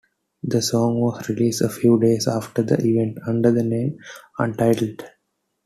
The song was released a few days after the event, under the name "Untitled".